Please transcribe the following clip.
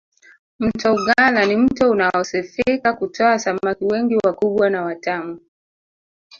mto ugala ni mto unaosifika kutoa samaki wengi wakubwa na watamu